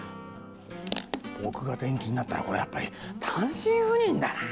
僕が転勤になったらこりゃやっぱり単身赴任だな。